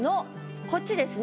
こっちですね。